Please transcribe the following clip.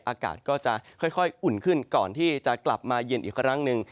อากาศก็จะค่อยอุ่นขึ้นก่อนที่จะกลับมาเย็นอีกครั้งหนึ่ง